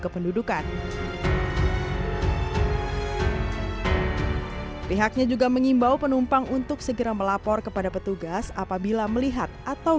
kependudukan pihaknya juga mengimbau penumpang untuk segera melapor kepada petugas apabila melihat atau